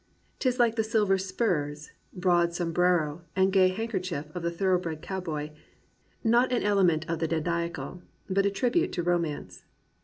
'Tis hke the silver spurs, broad sombrero and gay handkerchief of the thoroughbred cowboy, — not an element of the dandiacal, but a tribute to romance.